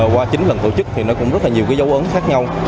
qua chín lần tổ chức thì nó cũng rất là nhiều cái dấu ấn khác nhau